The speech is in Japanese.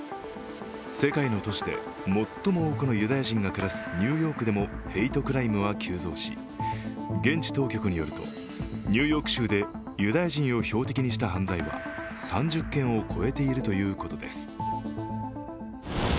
世界の都市で最も多くのユダヤ人が暮らすニューヨークでもヘイトクライムは急増し現当局によると、ニューヨーク州でユダヤ人を標的にした犯罪は３０件を超えているということです。